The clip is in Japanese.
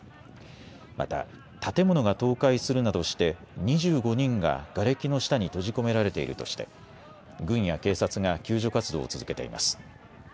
また建物が倒壊するなどして２５人ががれきの下に閉じ込められているとして軍や警察が救助活動を続けています。